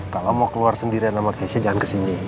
kalau mau keluar sendirian sama keisha jangan kesini